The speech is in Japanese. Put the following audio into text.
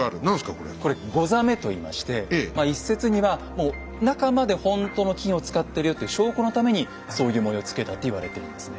これ「ござ目」といいまして一説にはもう中まで本当の金を使ってるよっていう証拠のためにそういう模様を付けたって言われてるんですね。